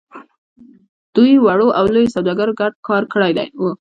دوی وړو او لويو سوداګرو ګډ کار کړی و.